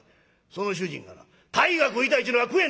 その主人がな鯛が食いたいちゅうのが食えんのか！」。